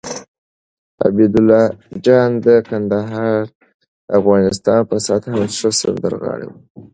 عبیدالله جان کندهاری د افغانستان په سطحه ښه سندرغاړی وو